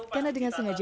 karena dengan sengaja